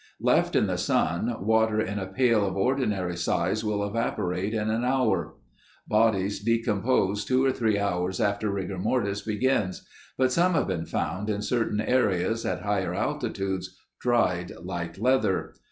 Left in the sun, water in a pail of ordinary size will evaporate in an hour. Bodies decompose two or three hours after rigor mortis begins but some have been found in certain areas at higher altitudes dried like leather.